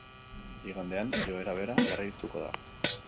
Igandean joera bera jarraituko da.